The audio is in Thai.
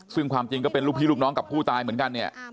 ซึ่งความจริงก็เป็นลูกพี่ลูกน้องกับผู้ตายเหมือนกันเนี่ย